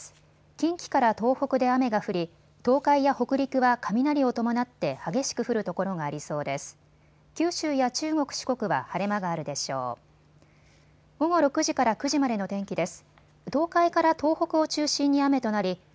近畿から東北で雨が降り、東海や北陸は雷を伴って激しく降る所がありそうです。